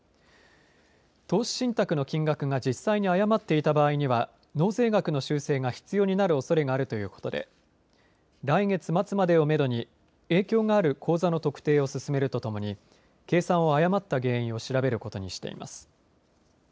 投資信託の金額が実際誤っていた場合には納税額の修正が必要になるおそれがあるということで来月末までをめどに影響がある口座の特定を進めるとともに計算を誤った原因を調べることにしています。